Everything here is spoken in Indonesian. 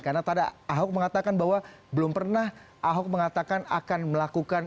karena tadi ahok mengatakan bahwa belum pernah ahok mengatakan akan melakukan